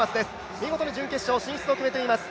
見事に準決勝進出を決めています。